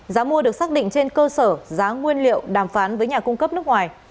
giá mua được xác định trên cơ sở giá nguyên liệu đàm phán với nhà cung cấp nước ngoài